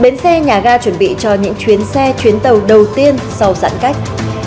bến xe nhà ga chuẩn bị cho những chuyến xe chuyến tàu đầu tiên sau giãn cách